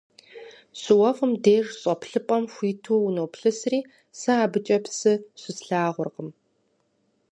ЩыуэфӀым деж щӀэплъыпӀэм хуиту уноплъысри, сэ абыкӀэ псы щыслъагъуркъым.